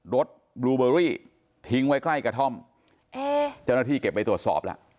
รถบลูเบอรี่ทิ้งไว้ใกล้กระท่อมเอ๊เจ้าหน้าที่เก็บไปตรวจสอบล่ะ